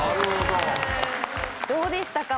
どうでしたか？